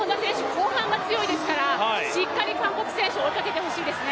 後半強いですからしっかり韓国追い上げてほしいですよね。